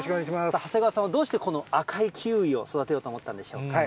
長谷川さんはどうして、この赤いキウイを育てようと思ったんでしょうか。